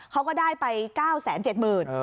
เขาก็ได้ไป๙๗๐๐๐บาท